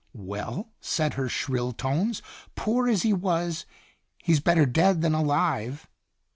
"Well," said her shrill tones, "poor as he was he's better dead than alive!"